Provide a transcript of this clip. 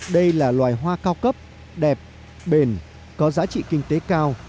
đây là loài hoa cao cấp đẹp bền có giá trị kinh tế cao